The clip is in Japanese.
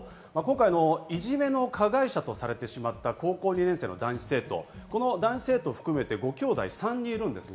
いじめの加害者とされてしまった高校２年生の男子生徒含めてごきょうだい３人います。